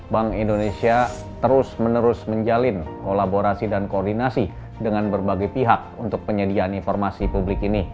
bank indonesia terus menerus menjalin kolaborasi dan koordinasi dengan berbagai pihak untuk penyediaan informasi publik ini